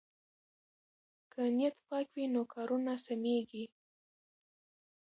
که نیت پاک وي نو کارونه سمېږي.